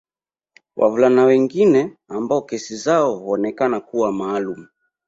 Wavulana wengine ambao kesi zao huonekana kuwa maalumu